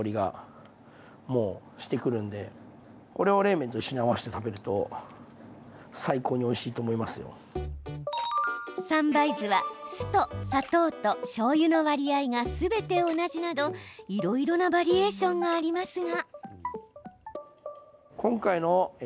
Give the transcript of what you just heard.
三杯酢が一緒に入ることで三杯酢は、酢と砂糖としょうゆの割合がすべて同じなどいろいろなバリエーションがありますが。